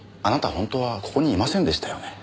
ほんとはここにいませんでしたよね？